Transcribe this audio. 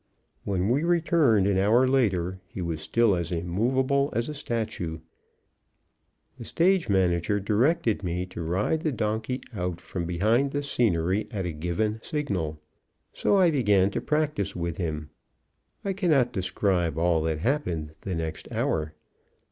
When we returned an hour later, he was still as immovable as a statue. The stage manager directed me to ride the donkey out from behind the scenery at a given signal; so I began to practice with him. I cannot describe all that happened the next hour.